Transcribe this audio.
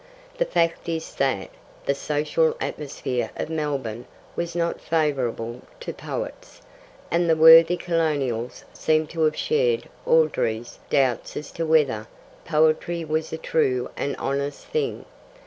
The fact is that the social atmosphere of Melbourne was not favourable to poets, and the worthy colonials seem to have shared Audrey's doubts as to whether poetry was a true and honest thing.